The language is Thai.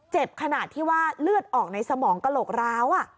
ขนาดที่ว่าเลือดออกในสมองกระโหลกร้าว